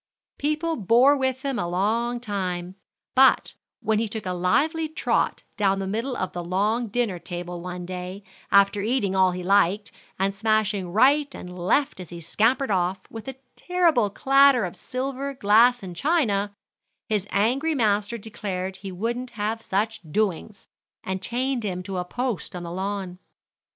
People bore with him a long time; but when he took a lively trot down the middle of the long dinner table one day, after eating all he liked, and smashing right and left as he scampered off, with a terrible clatter of silver, glass, and china, his angry master declared he wouldn't have such doings, and chained him to a post on the lawn.